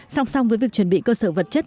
song song với việc chuẩn bị cơ sở vật chất